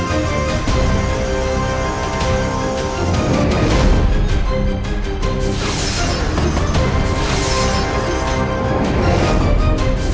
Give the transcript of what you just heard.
aku harus membantu